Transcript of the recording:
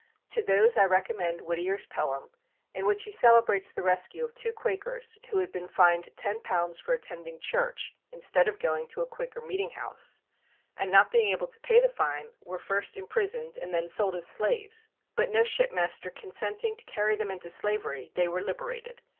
To those I recommend Whittier's poem, in which he celebrates the rescue of two Quakers who had been fined £10 for attending church instead of going to a Quaker Meeting House, and not being able to pay the fine were first imprisoned and then sold as slaves, but no ship master consenting to carry them into slavery they were liberated.